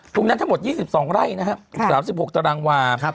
ตรงนั้นทั้งหมด๒๒ไร่นะครับ๓๖ตารางวา